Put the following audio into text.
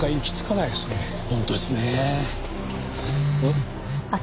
ん？